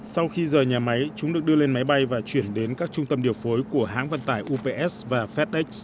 sau khi rời nhà máy chúng được đưa lên máy bay và chuyển đến các trung tâm điều phối của hãng vận tải ups và fedex